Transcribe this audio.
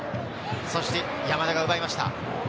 そして山田が奪いました。